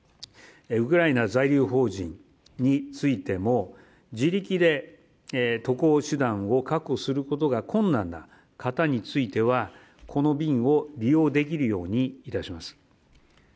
ウクライナ在留邦人についても自力で渡航手段を確保することが困難な方についてはこの便を利用できるようにいたします。